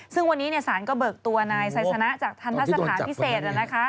ซึ่งวันนี้สารก็เบิกตัวนายไซสนะจากทันทะสถานพิเศษ